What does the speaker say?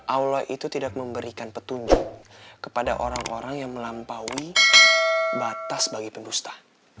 allah itu tidak memberikan petunjuk kepada orang orang yang melampaui batas bagi pendusta